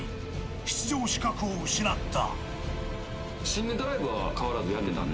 出場資格を失った。